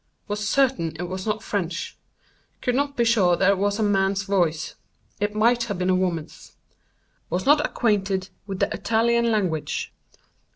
Was certain it was not French. Could not be sure that it was a man's voice. It might have been a woman's. Was not acquainted with the Italian language.